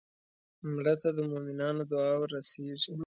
مړه ته د مومنانو دعا ورسېږي